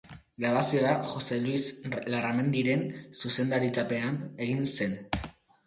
Grabazioa Jose Luis Larramendiren zuzendaritzapean egin zen.